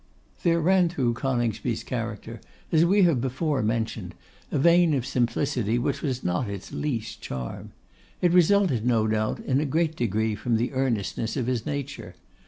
There ran through Coningsby's character, as we have before mentioned, a vein of simplicity which was not its least charm. It resulted, no doubt, in a great degree from the earnestness of his nature.